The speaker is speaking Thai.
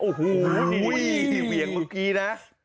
โอ้โหที่เวียงเมื่อกี้นะ